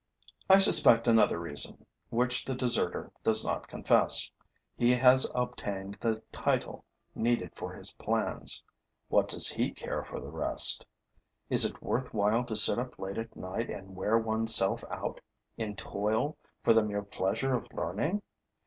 I suspect another reason, which the deserter does not confess. He has obtained the title needed for his plans. What does he care for the rest? Is it worth while to sit up late at night and wear one's self out in toil for the mere pleasure of learning?